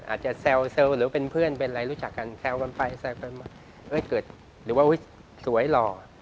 อาจจะแซวหรือเป็นเพื่อนเป็นอะไรรู้จักกันแซวกันไปแซวกันมาเกิดหรือว่าอุ๊ยสวยหล่อ